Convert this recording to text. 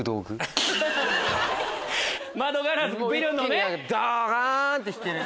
窓ガラスビルのね。